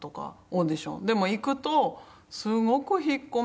でも行くとすごく引っ込み思案で。